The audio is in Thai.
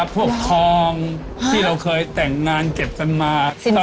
ทองที่เราเคยแต่งงานเก็บกันมา